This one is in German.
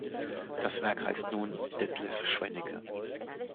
Das Werk heißt nun: „Detlev Schwennicke.